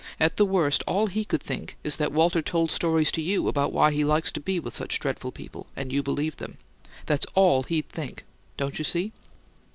At the worst, all HE could think is that Walter told stories to you about why he likes to be with such dreadful people, and you believed them. That's all HE'D think; don't you see?"